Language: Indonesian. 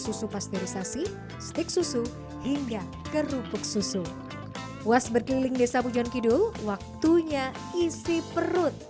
susu pasteurisasi stik susu hingga kerupuk susu was berkeliling desa bujon kidul waktunya isi perut